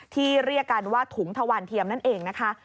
เรียกกันว่าถุงทวันเทียมนั่นเองนะคะ